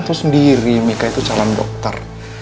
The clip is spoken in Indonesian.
itu sendiri mika itu calon dokter